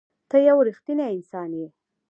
ته یو رښتنی انسان یې.